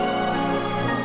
aku mau makan